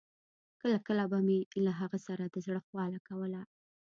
کله کله به مې له هغه سره د زړه خواله کوله.